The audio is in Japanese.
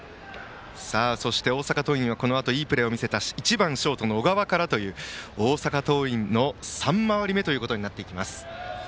そして大阪桐蔭はこのあと、いいプレーを見せた１番ショートの小川からという大阪桐蔭の３回り目です。